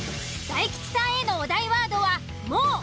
大吉さんへのお題ワードは「もう」。